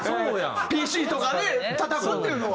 ＰＣとかねたたくっていうのは。